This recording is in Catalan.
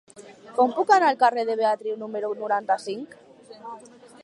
Com puc anar al carrer de Beatriu número noranta-cinc?